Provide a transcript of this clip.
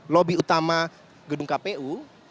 lobby utama gedung kpu